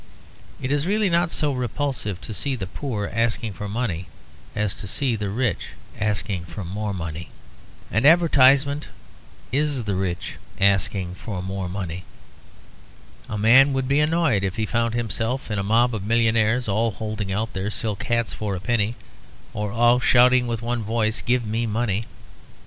It is really not so repulsive to see the poor asking for money as to see the rich asking for more money. And advertisement is the rich asking for more money. A man would be annoyed if he found himself in a mob of millionaires, all holding out their silk hats for a penny; or all shouting with one voice, "Give me money."